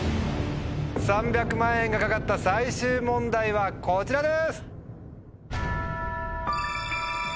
３００万円が懸かった最終問題はこちらです。